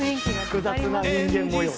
複雑な人間模様。